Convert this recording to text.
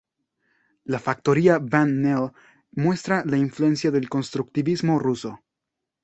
La factoría Van Nelle muestra la influencia del constructivismo ruso.